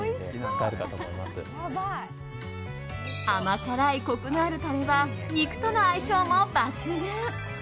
甘辛いコクのあるタレは肉との相性も抜群。